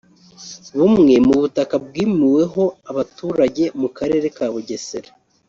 bumwe mu butaka bwimuweho abaturage mu Karere ka Bugesera